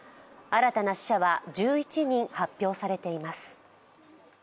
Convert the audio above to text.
新たな死者は１１人発表されています。